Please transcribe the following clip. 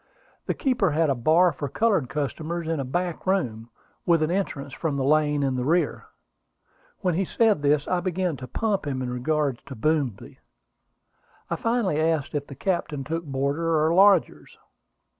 The keeper had a bar for colored customers in a back room, with an entrance from the lane in the rear. When he said this, I began to pump him in regard to Boomsby. I finally asked if the captain took boarders or lodgers.